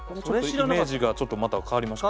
イメージがちょっとまた変わりました。